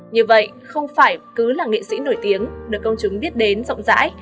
như vậy không phải cứ là nghệ sĩ nổi tiếng được công chúng biết đến rộng rãi